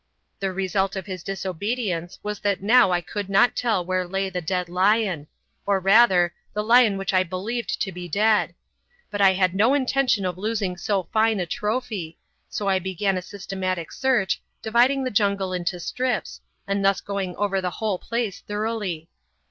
The result of his disobedience was that now I could not tell where lay the dead lion or, rather, the lion which I believed to be dead; but I had no intention of losing so fine a trophy, so I began a systematic search, dividing the jungle into strips, and thus going over the whole place thoroughly.